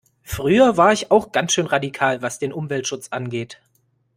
Früher war ich auch ganz schön radikal was den Umweltschutz angeht.